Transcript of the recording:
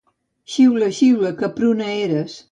Xiula, xiula, que pruna eres.